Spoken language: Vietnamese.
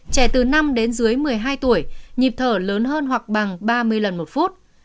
trẻ từ năm đến dưới một mươi hai tuổi nhịp thở lớn hơn hoặc bằng ba mươi lần một phút